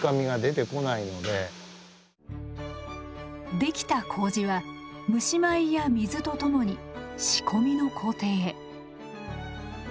できた麹は蒸米や水とともに仕込みの工程へ。